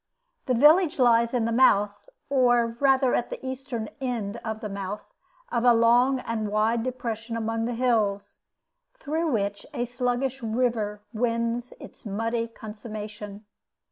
This village lies in the mouth, or rather at the eastern end of the mouth, of a long and wide depression among the hills, through which a sluggish river wins its muddy consummation.